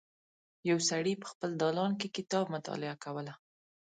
یو سړی په خپل دالان کې کتاب مطالعه کوله.